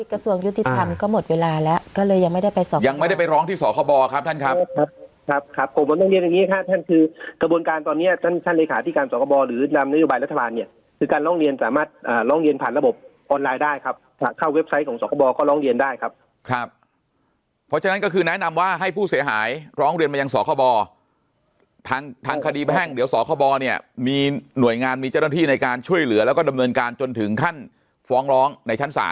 กระทรวงยุติธรรมก็หมดเวลาแล้วก็เลยยังไม่ได้ไปยังไม่ได้ไปร้องที่สอครบอครับท่านครับครับครับครับผมต้องเรียนอย่างนี้ค่ะท่านคือกระบวนการตอนนี้ท่านท่านเลยขาดที่การสอครบอหรือนามนโยบายรัฐบาลเนี้ยคือการร้องเรียนสามารถอ่าร้องเรียนผ่านระบบออนไลน์ได้ครับถ้าเข้าเว็บไซต์ของสอครบอก็ร้องเรียนได้